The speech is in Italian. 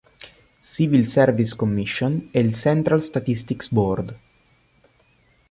Civil Service Commission e il Central Statistics Board.